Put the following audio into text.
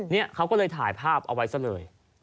นี่เขาก็เลยถ่ายภาพเอาไว้ซะเลย